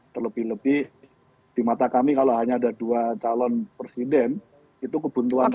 terlebih lebih di mata kami kalau hanya ada dua calon presiden itu kebuntuan politik dua ribu dua puluh empat